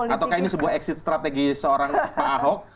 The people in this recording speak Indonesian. ataukah ini sebuah exit strategi seorang pak ahok